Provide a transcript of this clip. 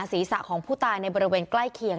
ศีรษะของผู้ตายในบริเวณใกล้เคียง